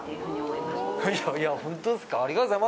いやいやホントですか？